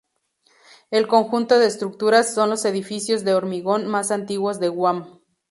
El conjunto de estructuras son los edificios de hormigón más antiguos de Guam.